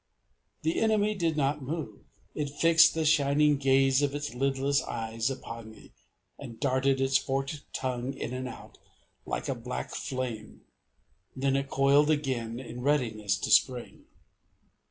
The enemy did not move; it fixed the shining gaze of its lidless eyes upon me, and darted its forked tongue in and out, like a black flame; then it coiled again, in readiness to spring.